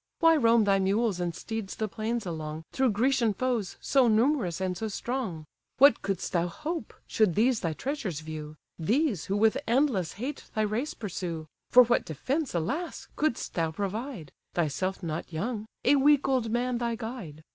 Why roam thy mules and steeds the plains along, Through Grecian foes, so numerous and so strong? What couldst thou hope, should these thy treasures view; These, who with endless hate thy race pursue? For what defence, alas! could'st thou provide; Thyself not young, a weak old man thy guide?